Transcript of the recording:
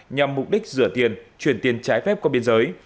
nhằm mục đích rửa tiền chuyển tiền trái phép qua biên giới